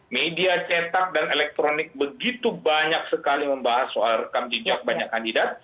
media cetak dan elektronik begitu banyak sekali membahas soal rekam jejak banyak kandidat